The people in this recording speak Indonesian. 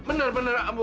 benar benar ambo